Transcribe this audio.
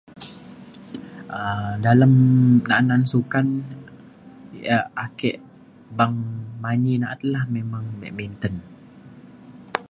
um dalem janan sukan ia’ ake beng manyi na’at lah memang badminton.